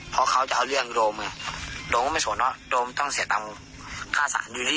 เพราะเขาจะเอาเรื่องโดมโดมก็ไม่สนว่าโดมต้องเสียตังค่าศาลอยู่นี่